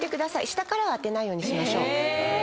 下からは当てないようにしましょう。